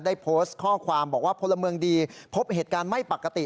ได้โพสต์ข้อความบอกว่าพลเมืองดีพบเหตุการณ์ไม่ปกติ